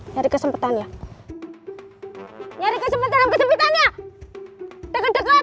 nyari kesempatan ya nyari kesempatan kesimpulannya deket deket